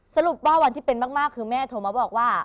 สรุปว่าวันที่เป็นมากคือแม่โทรมาบอกว่า